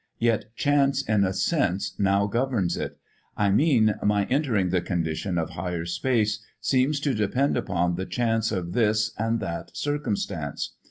Yet chance in a sense now governs it. I mean, my entering the condition of Higher Space seems to depend upon the chance of this and that circumstance.